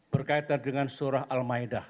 berkaitan dengan surah al ma'idah